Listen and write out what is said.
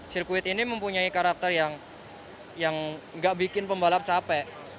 sirkuit ini mempunyai karakter yang tidak membuat pembalap capek